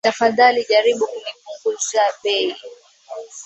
Tafadhali jaribu kunipunguza bei!